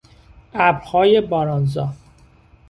ابرهای بارانزا